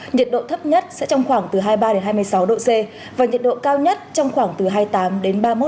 nhiệt độ thấp nhất sẽ trong khoảng từ hai mươi ba hai mươi sáu độ c và nhiệt độ cao nhất trong khoảng từ hai mươi tám đến ba mươi một độ